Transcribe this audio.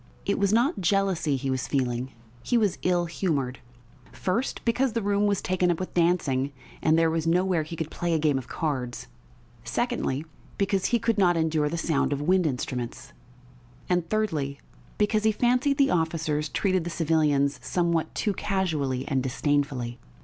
It was not jealousy he was feeling. He was ill humoured first, because the room was taken up with dancing and there was nowhere he could play a game of cards; secondly, because he could not endure the sound of wind instruments; and, thirdly, because he fancied the officers treated the civilians somewhat too casually and disdainfully.